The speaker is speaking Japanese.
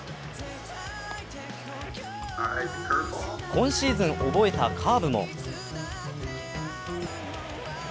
今シーズン覚えたカーブも。